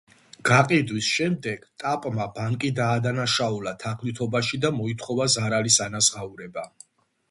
გაყიდვის შემდეგ ტაპმა ბანკი დაადანაშაულა თაღლითობაში და მოითხოვა ზარალის ანაზღაურება.